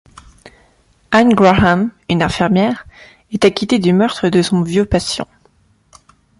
Anne Graham, une infirmière, est acquittée du meurtre de son vieux patient.